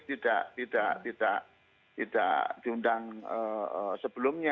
tidak diundang sebelumnya